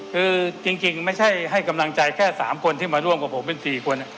คือจริงไม่ใช่ให้กำลังใจแค่๓คนที่มาร่วมกับผมเป็น๔คน